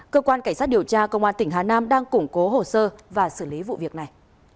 cơ quan cảnh sát điều tra công an tỉnh hà nam đang củng cố hồ sơ và xử lý vụ việc này